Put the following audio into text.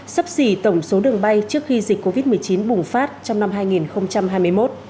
sấp xỉ tổng số đường bay trước khi dịch covid một mươi chín bùng phát trong năm hai nghìn hai mươi một